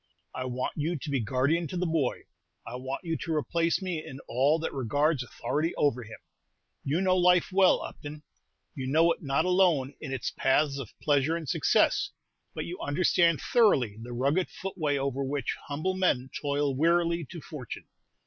I want you to be guardian to the boy. I want you to replace me in all that regards authority over him. You know life well, Upton. You know it not alone in its paths of pleasure and success, but you understand thoroughly the rugged footway over which humble men toil wearily to fortune.